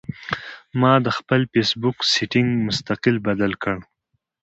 ما د خپل فېس بک سېټنګ مستقل بدل کړۀ